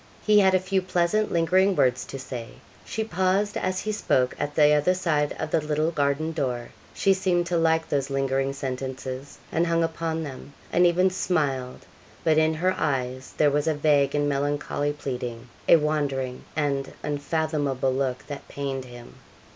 He had a few pleasant, lingering words to say. She paused as he spoke at the other side of that little garden door. She seemed to like those lingering sentences and hung upon them and even smiled but in her eyes there was a vague and melancholy pleading a wandering and unfathomable look that pained him.